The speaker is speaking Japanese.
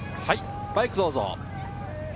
バイクどうぞ。